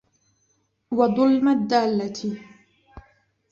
وَظُلْمَ الدَّالَّةِ